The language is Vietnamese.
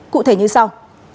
cụ thể như sau